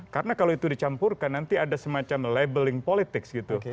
karena kalau itu dicampurkan nanti ada semacam labeling politics gitu